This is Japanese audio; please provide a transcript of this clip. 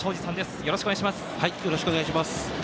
よろしくお願いします。